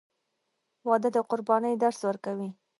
• واده د قربانۍ درس ورکوي.